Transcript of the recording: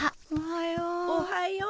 おはよう。